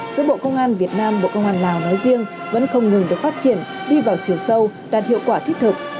giữa bộ công an việt nam bộ công an lào nói riêng vẫn không ngừng được phát triển đi vào chiều sâu đạt hiệu quả thiết thực